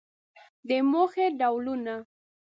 د موخې ډولونه